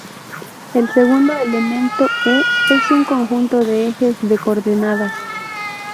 El segundo elemento "E" es un conjunto de ejes de coordenadas.